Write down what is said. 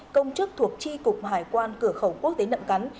công chức thuộc tri cục hải quan cửa khẩu quốc tế nậm cắn